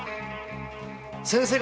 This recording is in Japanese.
先生方！